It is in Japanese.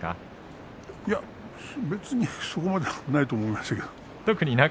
いや、別にそこまではないと思いますが。